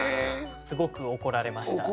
すごく怒られました。